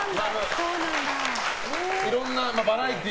いろんなバラエティー。